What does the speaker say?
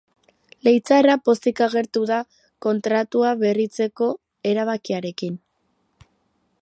Leitzarra pozik agertu da kontratua berritzeko erabakiarekin.